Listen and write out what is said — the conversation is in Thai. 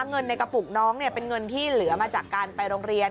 เงินในกระปุกน้องเป็นเงินที่เหลือมาจากการไปโรงเรียน